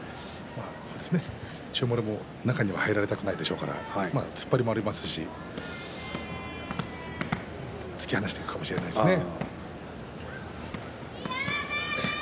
そうですね千代丸も中には入れたくないでしょうから突っ張りもありますし突き放していくかもしれないですね。